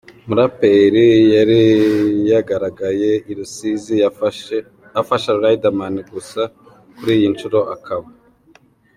muraperi yari yagaragaye i Rusizi afasha Riderman gusa kuri iyi nshuro akaba.